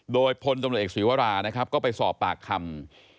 โดยพลตำรวจเอกศีวรานะครับก็ไปสอบปากคำ